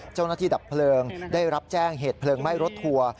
เจ้าหน้าที่ดับเพลิงได้รับแจ้งเหตุเพลิงไหม้รถทัวร์